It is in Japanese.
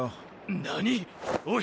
何⁉おい。